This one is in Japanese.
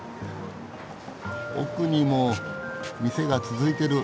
奥にも店が続いてる。